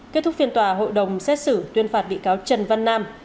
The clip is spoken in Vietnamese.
kết thúc phiên tòa hội đồng xét xử tuyên phạt bị cáo trần văn nam